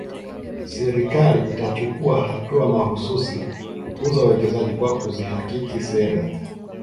Serikali itachukua hatua mahsusi kukuza uwekezaji kwa kuzihakiki sera